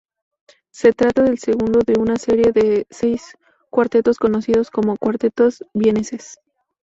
Se trata del segundo de una serie de seis cuartetos, conocidos como "Cuartetos vieneses".